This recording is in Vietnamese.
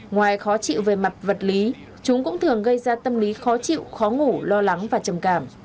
ngoài khó chịu về mặt vật lý chúng cũng thường gây ra tâm lý khó chịu khó ngủ lo lắng và trầm cảm